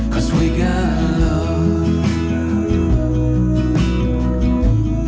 แก้ป๊าแล้วเร็วเอาดี